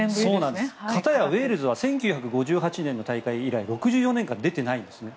片やウェールズは１９５８年の大会以来６４年間出てないんですね。